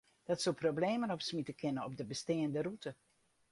Dat soe problemen opsmite kinne op de besteande rûte.